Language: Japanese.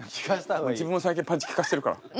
自分も最近パンチ効かせてるから。